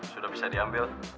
sudah bisa diambil